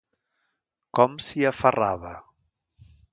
Com s'hi aferrava!